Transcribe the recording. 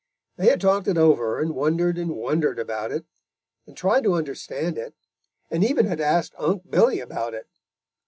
They had talked it over and wondered and wondered about it, and tried to understand it, and even had asked Unc' Billy about it.